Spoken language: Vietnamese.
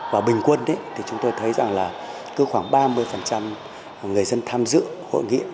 và bình quân thì chúng tôi thấy rằng là cứ khoảng ba mươi người dân tham dự hội nghị